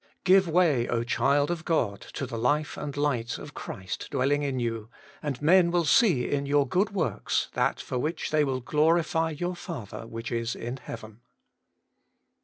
Give Way, O child of God, to the Life and Light of Christ dwelling in you, and" men will see in your good works that for which they will glorify your Father which is in heaven.